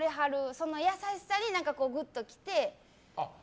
その優しさにぐっときて。